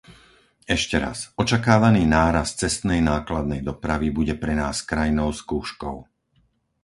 Ešte raz, očakávaný nárast cestnej nákladnej dopravy bude pre nás krajnou skúškou.